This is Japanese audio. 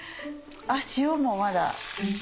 塩もまだ。